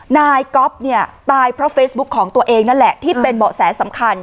นายก๊อฟเนี่ยตายเพราะเฟซบุ๊คของตัวเองนั่นแหละที่เป็นเบาะแสสำคัญ